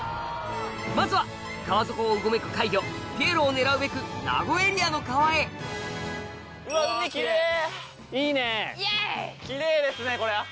まずは川底をうごめく怪魚ピエロを狙うべく名護エリアの川へイエイ！